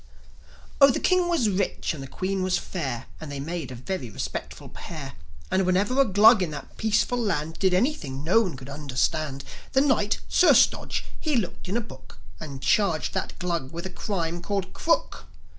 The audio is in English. Oh, the King was rich, and the Queen was fair, And they made a very respectable pair. And whenever a Glug in that peaceful land, Did anything no one could understand, The Knight, Sir Stodge, he looked in a book, And charged that Glug with a crime called Crook.